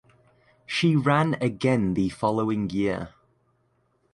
She ran again the following year.